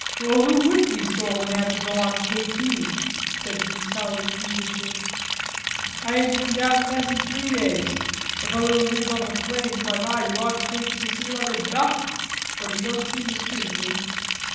"Well, who wouldn't be sore when they have to go on K.P.?" said Fuselli peevishly. "I ain't been down to mess in three days. A feller who lives on the plains like I do ought to take to the sea like a duck, but it don't seem to suit me."